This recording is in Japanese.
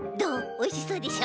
おいしそうでしょ？